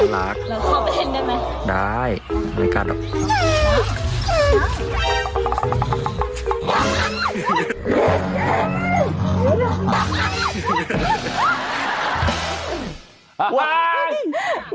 มันอาหารหอบแข็งได้มั้ยได้ไม่กัดหรอ